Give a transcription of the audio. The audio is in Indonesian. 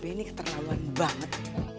ini keterlaluan banget